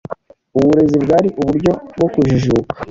Uburezi bwari uburyo bwokujijuka